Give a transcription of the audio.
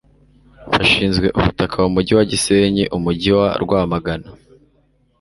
bashinzwe ubutaka mu mujyi wa gisenyi umujyi wa rwamagana